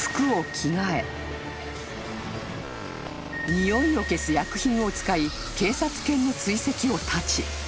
［においを消す薬品を使い警察犬の追跡を断ち